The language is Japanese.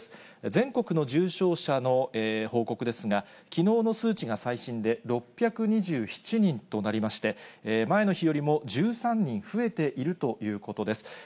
全国の重症者の報告ですが、きのうの数値が最新で、６２７人となりまして、前の日よりも１３人増えているということです。